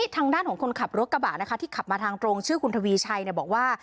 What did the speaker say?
ทางด้านของคนขับรถกระบะนะคะที่ขับมาทางตรงชื่อคุณทวีชัยบอกว่า